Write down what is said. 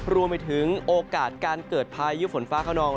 รวมไปถึงโอกาสการเกิดพายุฝนฟ้าขนอง